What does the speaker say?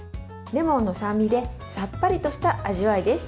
レモンの酸味でさっぱりとした味わいです。